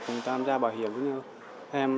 cùng tham gia bảo hiểm